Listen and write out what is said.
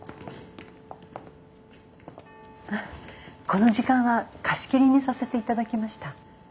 この時間は貸し切りにさせていただきました。